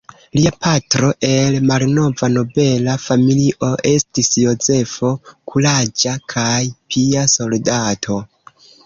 Lia patro el malnova nobela familio estis Jozefo, kuraĝa kaj pia soldato.